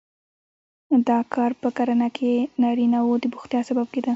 دا کار په کرنه کې نارینه وو د بوختیا سبب کېده.